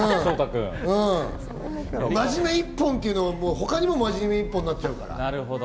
真面目一本っていうのは、他にも真面目１本になっちゃうから。